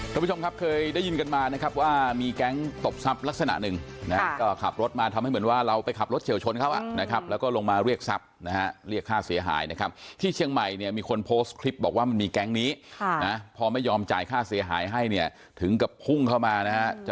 ท่านผู้ชมครับเคยได้ยินกันมานะครับว่ามีแก๊งตบทรัพย์ลักษณะหนึ่งนะฮะก็ขับรถมาทำให้เหมือนว่าเราไปขับรถเฉียวชนเขาอ่ะนะครับแล้วก็ลงมาเรียกทรัพย์นะฮะเรียกค่าเสียหายนะครับที่เชียงใหม่เนี่ยมีคนโพสต์คลิปบอกว่ามันมีแก๊งนี้ค่ะนะพอไม่ยอมจ่ายค่าเสียหายให้เนี่ยถึงกับพุ่งเข้ามานะฮะจะ